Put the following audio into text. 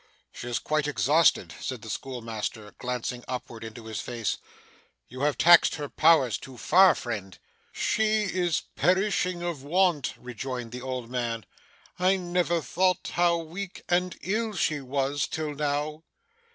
'She is quite exhausted,' said the schoolmaster, glancing upward into his face. 'You have taxed her powers too far, friend.' 'She is perishing of want,' rejoined the old man. 'I never thought how weak and ill she was, till now.